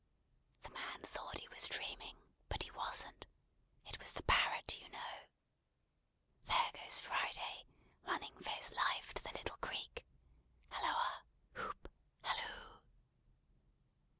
The man thought he was dreaming, but he wasn't. It was the Parrot, you know. There goes Friday, running for his life to the little creek! Halloa! Hoop! Halloo!"